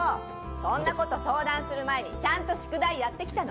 そんなこと相談する前にちゃんと宿題やってきたの？